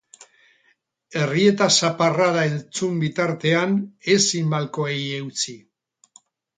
Errieta zaparrada entzun bitartean, ezin malkoei eutsi.